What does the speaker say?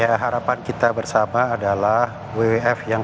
ya harapan kita bersama adalah wwf yang